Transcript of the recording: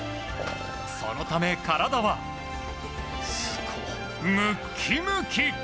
そのため、体はムッキムキ！